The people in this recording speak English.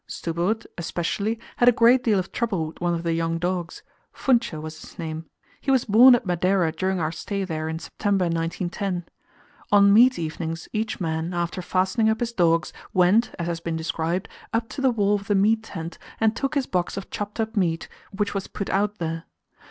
Stubberud, especially, had a great deal of trouble with one of the young dogs Funcho was his name. He was born at Madeira during our stay there in September, 1910. On meat evenings each man, after fastening up his dogs, went, as has been described, up to the wall of the meat tent and took his box of chopped up meat, which was put out there.